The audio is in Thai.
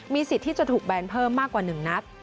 สิทธิ์ที่จะถูกแบนเพิ่มมากกว่า๑นัด